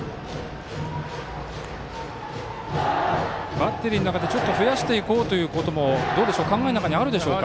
バッテリーの中でストレートを増やしていこうということも考えの中にありますか。